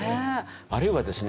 あるいはですね